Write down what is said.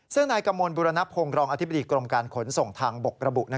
ซึ่งนายกมลบุรณพงศ์รองอธิบดีกรมการขนส่งทางบกระบุ